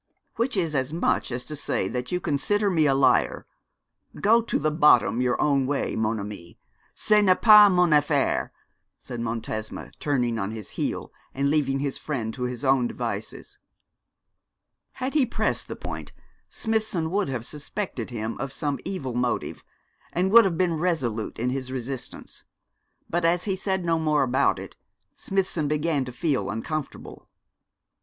'Which is as much as to say that you consider me a liar! Go to the bottom your own way, mon ami: ce n'est pas mon affaire,' said Montesma, turning on his heel, and leaving his friend to his own devices. Had he pressed the point, Smithson would have suspected him of some evil motive, and would have been resolute in his resistance; but as he said no more about it, Smithson began to feel uncomfortable.